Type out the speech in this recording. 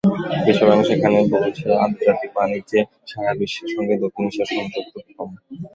বিশ্বব্যাংক সেখানে বলছে, আন্তর্জাতিক বাণিজ্যে সারা বিশ্বের সঙ্গে দক্ষিণ এশিয়ার সংযোগ খুবই কম।